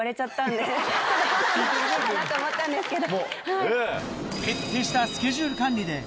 失礼かな？と思ったんですけど。